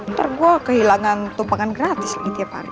ntar gue kehilangan tumpangan gratis lagi tiap hari